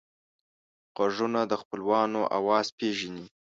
غوږونه د خپلوانو آواز پېژني